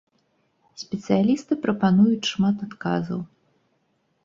Спецыялісты прапануюць шмат адказаў.